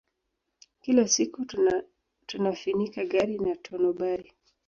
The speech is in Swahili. Kila siku tunafinika gari na tonobari